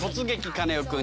カネオくん」。